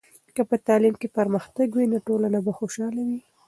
که په تعلیم کې پرمختګ وي، نو ټولنه به خوشحاله وي.